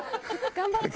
頑張って！